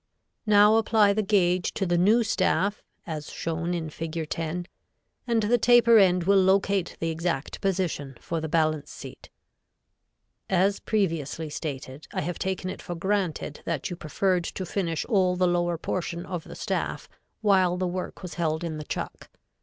Now apply the gauge to the new staff, as shown in Fig. 10, and the taper end will locate the exact position for the balance seat. [Illustration: Fig. 9.] [Illustration: Fig. 10.] As previously stated, I have taken it for granted that you preferred to finish all the lower portion of the staff while the work was held in the chuck.